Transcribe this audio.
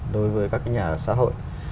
đối với các nhà ở xã hội